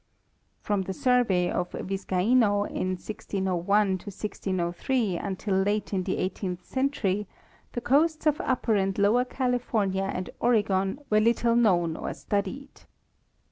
From the survey of Viscaino in 1601 1603 until late in the eighteenth century, the coasts of upper and lower California and Oregon were little known or studied.